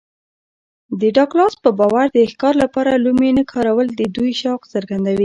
د ډاګلاس په باور د ښکار لپاره لومې نه کارول د دوی شوق څرګندوي